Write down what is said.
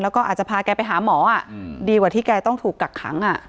แล้วก็อาจจะพาแกไปหาหมอดีกว่าที่แกต้องถูกกักขัง